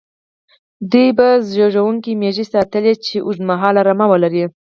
دوی به زېږوونکې مېږې ساتلې، چې اوږد مهاله رمه ولري.